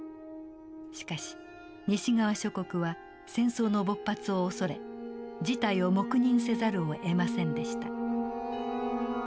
しかし西側諸国は戦争の勃発を恐れ事態を黙認せざるをえませんでした。